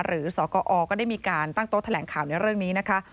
สกอก็ได้มีการตั้งโต๊ะแถลงข่าวในเรื่องนี้นะคะ